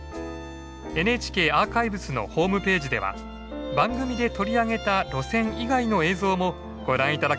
ＮＨＫアーカイブスのホームページでは番組で取り上げた路線以外の映像もご覧頂けます。